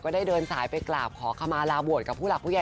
ได้เดินสายไปกราบขอขมาลาบวชกับผู้หลักผู้ใหญ่